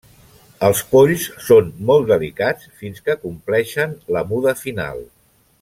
Els polls són molt delicats fins que compleixen la muda final.